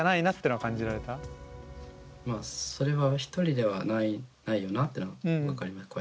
まあそれは一人ではないよなっていうのは分かります。